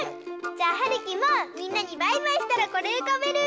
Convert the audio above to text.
じゃあはるきもみんなにバイバイしたらこれうかべる！